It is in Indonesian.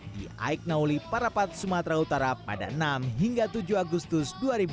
di aiknauli parapat sumatera utara pada enam hingga tujuh agustus dua ribu dua puluh